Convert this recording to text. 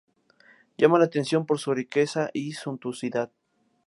Llama la atención por su riqueza y suntuosidad.